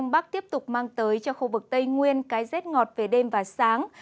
bắc tiếp tục mang tới cho khu vực tây nguyên cái rét ngọt về đêm và sáng